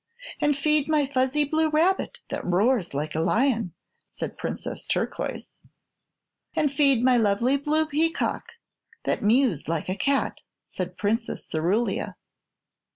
"And feed my fuzzy blue rabbit that roars like a lion," said Princess Turquoise. "And feed my lovely blue peacock that mews like a cat," said Princess Cerulia.